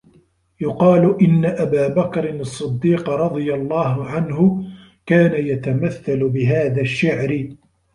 يُقَالُ أَنَّ أَبَا بَكْرٍ الصِّدِّيقَ رَضِيَ اللَّهُ عَنْهُ كَانَ يَتَمَثَّلُ بِهَذَا الشَّعْرِ